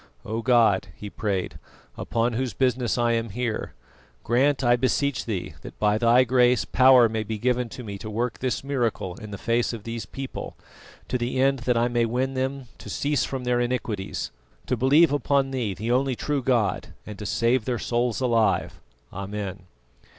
"O God," he prayed, "upon whose business I am here, grant, I beseech Thee, that by Thy Grace power may be given to me to work this miracle in the face of these people, to the end that I may win them to cease from their iniquities, to believe upon Thee, the only true God, and to save their souls alive. Amen."